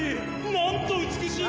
なんと美しい！